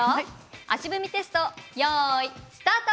足踏みテスト、よーい、スタート。